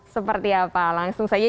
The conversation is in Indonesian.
seperti apa langsung saja